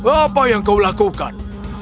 apa yang kau lakukan